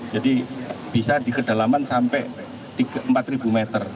jadi bisa di kedalaman sampai empat ribu meter